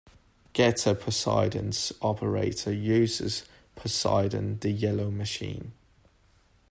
Getter Poseidon's operator uses Poseidon, the yellow machine.